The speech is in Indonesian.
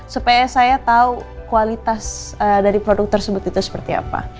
supaya saya tahu kualitas dari produk tersebut itu seperti apa